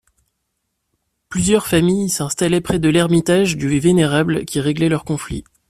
Plusieurs familles s’installèrent près de l'ermitage du Vénérable qui réglait leurs conflits.